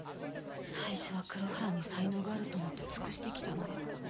最初は黒原に才能があると思って尽くしてきたのよ。